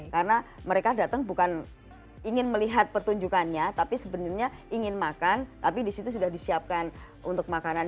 karena mereka datang bukan ingin melihat pertunjukannya tapi sebenarnya ingin makan tapi disitu sudah disiapkan untuk makanan